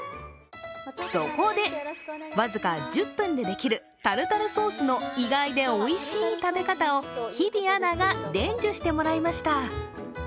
そこで、僅か１０分でできるタルタルソースの意外でおいしい食べ方を日比アナが伝授してもらいました。